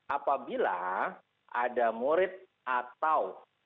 apabila ada murid atau